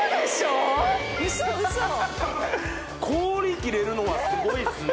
ウソウソ氷切れるのはすごいっすね